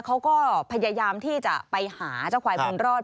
เขาก็พยายามที่จะไปหาเจ้าควายบุญรอด